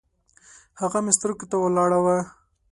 هغه مې سترګو ته ولاړه وه